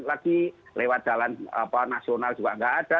lagi lewat jalan nasional juga nggak ada